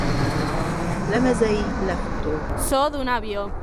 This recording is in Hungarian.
Lemezei lefutók.